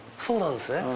そうなんですね。